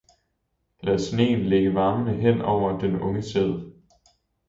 Lad sneen ligge varmende hen over den unge sæd!